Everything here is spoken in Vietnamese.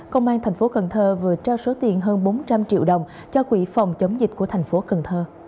công an tp cn vừa trao số tiền hơn bốn trăm linh triệu đồng cho quỹ phòng chống dịch của tp cn